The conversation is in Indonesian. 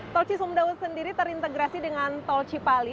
tol cisumdau sendiri terintegrasi dengan tol cipali